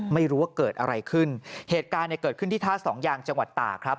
ไม่รู้ว่าเกิดอะไรขึ้นเหตุการณ์เนี่ยเกิดขึ้นที่ท่าสองยางจังหวัดตากครับ